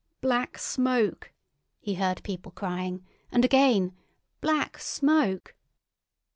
"Black Smoke!" he heard people crying, and again "Black Smoke!"